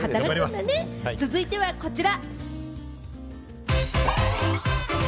続いてはこちら！